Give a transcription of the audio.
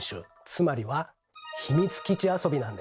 つまりは「秘密基地遊び」なんです。